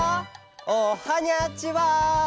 おはにゃちは！